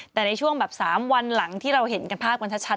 แต่ในช่วงแบบ๓วันหลังที่เราเห็นกันภาพกันชัด